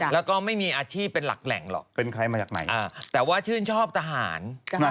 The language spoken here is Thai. แล้วก็ไม่มีอาชีพเป็นหลักแหล่งหรอกแต่ว่าชื่นชอบทหาร